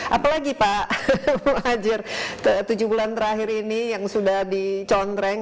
apalagi pak muhajir tujuh bulan terakhir ini yang sudah dicontreng